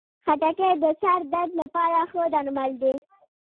خټکی د سر درد لپاره ښه درمل دی.